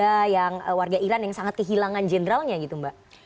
atau ini hanya ingin meredakan warga iran yang sangat kehilangan generalnya gitu mbak